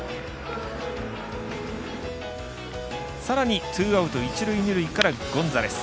さらに、ツーアウト一塁、二塁から、ゴンザレス。